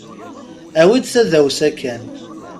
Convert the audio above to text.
Awi-d tadawsa kan.